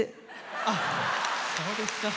あそうですか。